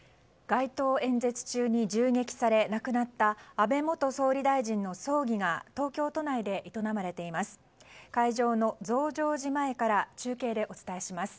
街頭演説中に銃撃され亡くなった安倍元総理大臣の葬儀が東京都内で営まれています。